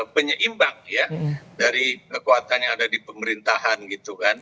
penyeimbang ya dari kekuatan yang ada di pemerintahan gitu kan